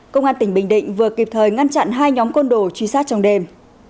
công an tỉnh bình định vừa kịp thời ngăn chặn hai nhóm côn đồ truy sát trong đêm